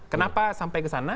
kenapa sampai ke sana